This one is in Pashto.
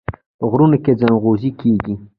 په غرونو کې ځنغوزي کیږي.